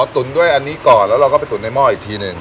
ตุ๋นด้วยอันนี้ก่อนแล้วเราก็ไปตุ๋นในหม้ออีกทีหนึ่ง